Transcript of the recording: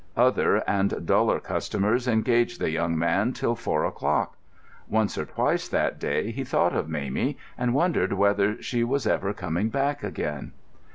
Other and duller customers engaged the young man till four o'clock. Once or twice that day he thought of Mamie, and wondered whether she was ever coming back again.